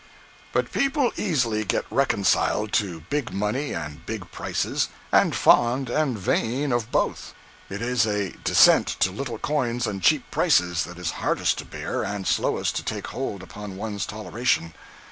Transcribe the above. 138.jpg (21K) But people easily get reconciled to big money and big prices, and fond and vain of both—it is a descent to little coins and cheap prices that is hardest to bear and slowest to take hold upon one's toleration.